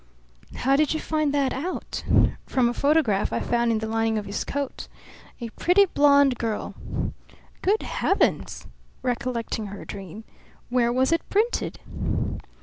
"How did you find that out?" "From a photograph I found in the lining of his coat. A pretty blonde girl." "Good heavens!" recollecting her dream. "Where was it printed?"